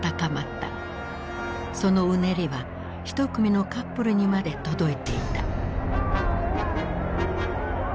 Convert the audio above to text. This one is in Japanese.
そのうねりは一組のカップルにまで届いていた。